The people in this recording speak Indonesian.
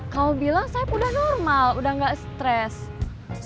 kamu bilang saya udah normal udah gak stress